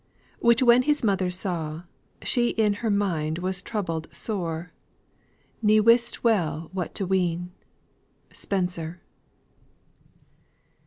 "Which when his mother saw, she in her mind Was troubled sore, he wist well what to ween." SPENSER.